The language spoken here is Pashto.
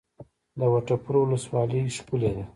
د وټه پور ولسوالۍ ښکلې ده